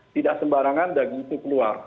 tidak sembarangan daging itu keluar